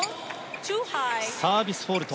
サービスフォールト。